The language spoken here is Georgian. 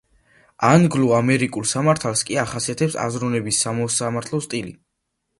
ანგლო-ამერიკულ სამართალს კი ახასიათებს აზროვნების სამოსამართლო სტილი.